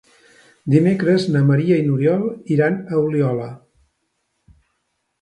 Dimecres na Maria i n'Oriol iran a Oliola.